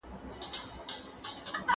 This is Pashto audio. ¬ چي لري دي لره ئې، چي لړي دي لړه ئې.